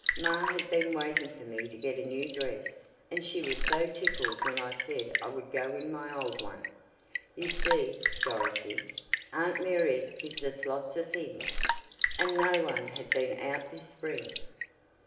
Ma had been waiting for me to get a new dress and she was so tickled when I said I would go in my old one. You see, Dorothy, Aunt Mary gives us lots of things, and no one had been out this spring.